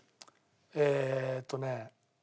えっとね。